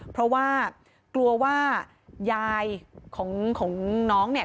เพราะว่ากลัวว่ายายของน้องเนี่ย